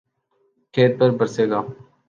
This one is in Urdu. کھیت پر برسے گا